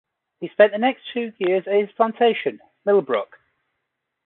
He spent the next two years at his plantation, Milbrook.